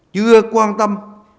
chưa quan tâm